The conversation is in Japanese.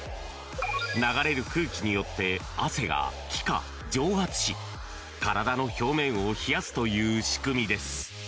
流れる空気によって汗が気化・蒸発し体の表面を冷やすという仕組みです。